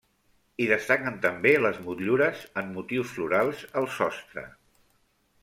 I destaquen també les motllures amb motius florals al sostre.